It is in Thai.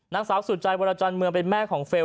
นางสาวสุจัยวรจรเมืองเป็นแม่ของเฟลล